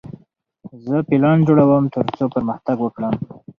زه پلان جوړوم ترڅو پرمختګ وکړم.